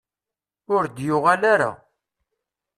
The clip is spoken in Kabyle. Ur d-yuɣal ara.